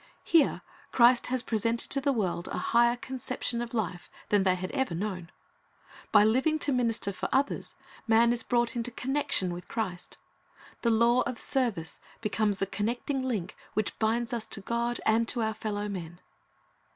Here Christ has presented to the world a higher conception of life than they had ever known. By living to minister for others, man is brought into connection with Christ. ■ The law of service becomes the connecting link which binds us to God and to our fellow men.